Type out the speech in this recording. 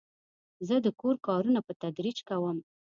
زه د کور کارونه په تدریج کوم.